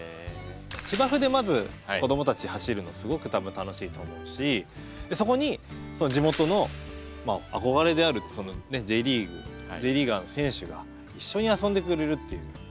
芝生でまず子供たち走るのすごく多分楽しいと思うしそこにその地元の憧れであるＪリーグＪリーガーの選手が一緒に遊んでくれるっていう。